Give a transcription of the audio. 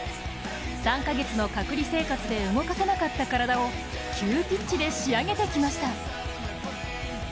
３カ月の隔離生活で動かせなかった体を急ピッチで仕上げてきました。